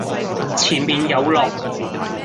前面有落